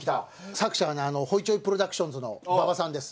作者がねホイチョイ・プロダクションズの馬場さんです。